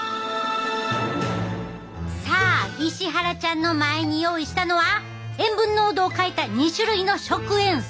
さあ石原ちゃんの前に用意したのは塩分濃度を変えた２種類の食塩水。